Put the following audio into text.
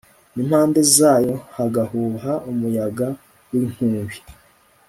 n'impande zayo hagahuha umuyaga w'inkubi